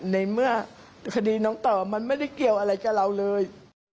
ในเมื่อคดีน้องต่อมันไม่ได้เกี่ยวอะไรกับเราเลย